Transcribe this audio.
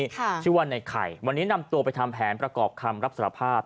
ค่ะชื่อว่าในไข่วันนี้นำตัวไปทำแผนประกอบคำรับสารภาพ